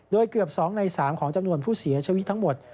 โดยเกือบ๒ใน๓ของจำนวนผู้เสียชีวิตทั้งหมด